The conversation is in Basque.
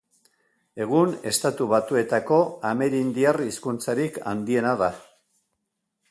Egun Estatu Batuetako amerindiar hizkuntzarik handiena da.